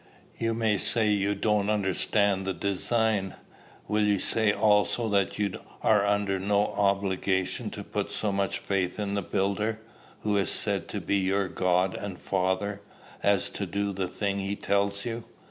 You may say you don't understand the design: will you say also that you are under no obligation to put so much faith in the builder, who is said to be your God and Father, as to do the thing he tells you?